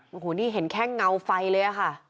โอ้โหนี่เห็นแค่เงาไฟเลยค่ะ